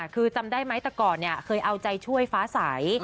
คือจำได้ไหมแต่ก่อนเคยเอาใจช่วยฟ้าใส